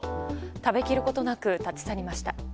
食べきることなく立ち去りました。